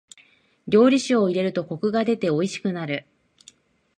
料理酒を入れるとコクが出ておいしくなる。